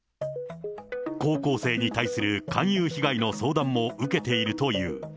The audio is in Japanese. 高校生に対する勧誘被害の相談も受けているという。